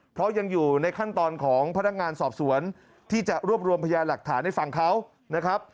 เพราะยังอยู่ในขั้นตอนของพนักงานสอบสวนที่จะรวบรวมพยานหลักฐานให้ฟังเขานะครับ